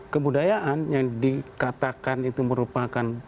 kebudayaan yang dikatakan itu merupakan